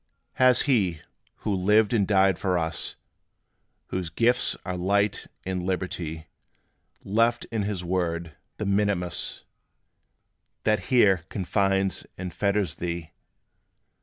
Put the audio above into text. Has He, who lived and died for us Whose gifts are light and liberty, Left in his Word the mitimus That here confines and fetters thee?